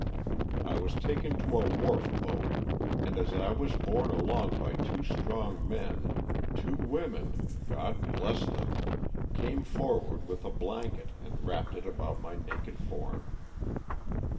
I was taken to a wharf boat and as I was borne along by two strong men, two women (God bless them!) came forward with a blanket and wrapped it about my naked form.